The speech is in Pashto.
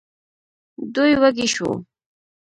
دوی وږي شوو.